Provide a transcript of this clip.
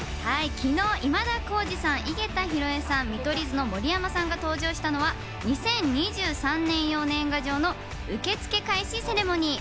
昨日、今田耕司さん、井桁弘恵さん、見取り図の盛山さんが登場したのは２０２３年用年賀状の受け付け開始セレモニー。